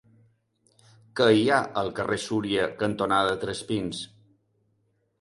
Què hi ha al carrer Súria cantonada Tres Pins?